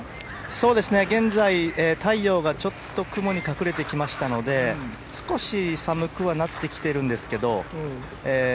そうですね、現在、太陽がちょっと雲に隠れてきましたので少し寒くはなってきているんですけど。